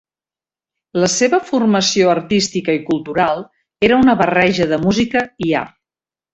La seva formació artística i cultural era una barreja de música i art.